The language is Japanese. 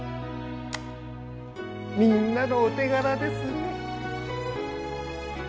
みんなのお手柄ですね